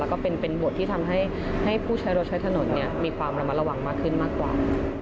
แล้วก็เป็นบทที่ทำให้ผู้ใช้รถใช้ถนนมีความระมัดระวังมากขึ้นมากกว่า